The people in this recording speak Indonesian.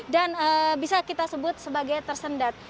dan bisa kita sebut sebagai tersendat